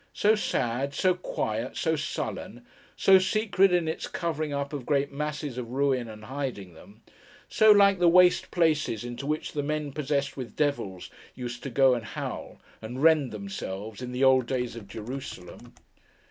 So sad, so quiet, so sullen; so secret in its covering up of great masses of ruin, and hiding them; so like the waste places into which the men possessed with devils used to go and howl, and rend themselves, in the old days of Jerusalem.